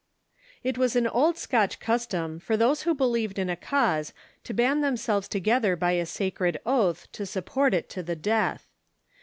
] It w;is an old Scotch custom for those who believed in a cause to band themselves together by a sacred oath to support it to the death.